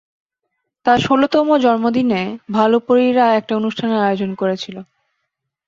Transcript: তার ষোলতম জন্মদিনে, ভালো পরীরা একটা অনুষ্ঠানের আয়োজন করেছিল।